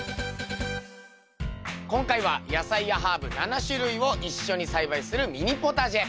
今回は野菜やハーブ７種類を一緒に栽培するミニポタジェ。